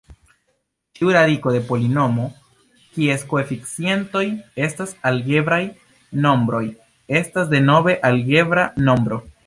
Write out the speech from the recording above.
Ĉiu radiko de polinomo kies koeficientoj estas algebraj nombroj estas denove algebra nombro.